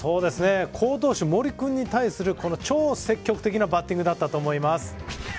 好投手森君に対する超積極的なバッティングだったと思います。